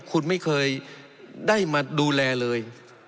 คุณไม่เคยได้มาดูแลเลย